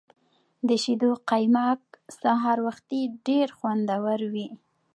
د شیدو قیماق سهار وختي ډیر خوندور وي.